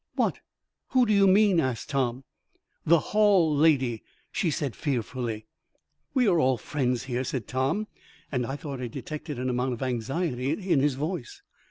"What? Who do you mean?" asked Tom. "The hall lady," she said fearfully. "We are all friends here," said Tom, and I thought I detected an amount of anxiety in his voice.